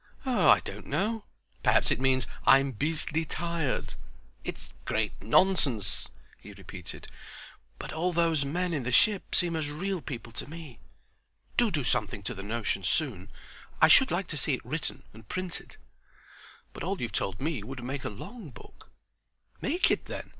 "Oh, I don't know. Perhaps it means 'I'm beastly tired.' It's great nonsense," he repeated, "but all those men in the ship seem as real people to me. Do do something to the notion soon; I should like to see it written and printed." "But all you've told me would make a long book." "Make it then.